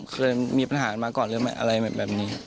เคยมีปัญหามาก่อนหรือไม่อะไรแบบนี้